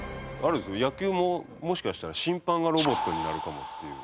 野球ももしかしたら審判がロボットになるかもっていう。